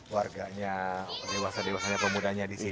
warganya dewasa dewasanya pemudanya di sini